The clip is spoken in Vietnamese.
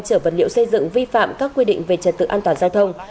chở vật liệu xây dựng vi phạm các quy định về trật tự an toàn giao thông